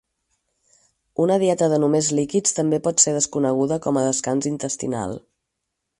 Una dieta de només líquids també pot ser desconeguda com a descans intestinal.